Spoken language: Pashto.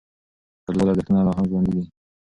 کلیوالي ارزښتونه لا هم ژوندی دي.